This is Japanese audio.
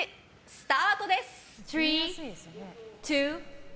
スタートです！